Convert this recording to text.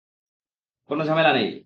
কোনো ঝামেলা নেই।